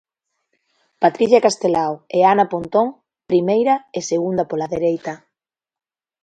Patricia Castelao e Ana Pontón, primeira e segunda pola dereita.